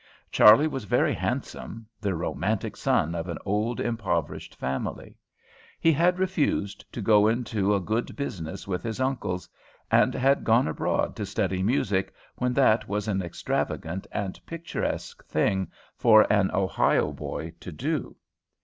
Charley was very handsome; the "romantic" son of an old, impoverished family. He had refused to go into a good business with his uncles and had gone abroad to study music when that was an extravagant and picturesque thing for an Ohio boy to do.